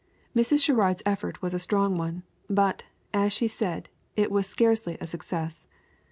Mrs. Sherrard's effort was a strong one, but, as she said, it was scarcely a success.